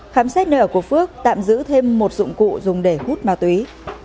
khám xét nơi ở của phước tạm giữ thêm một dụng cụ dùng để hút ma túy